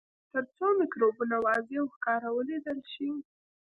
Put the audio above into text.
تر څو مکروبونه واضح او ښکاره ولیدل شي.